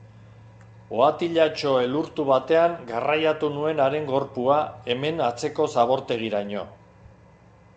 Ohatilatxo elurtu batean garraiatu nuen haren gorpua hemen atzeko zabortegiraino.